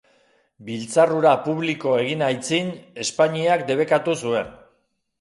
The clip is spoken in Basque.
Biltzar hura publiko egin aitzin, Espainiak debekatu zuen.